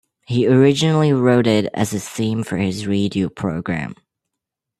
He originally wrote it as a theme for his radio program.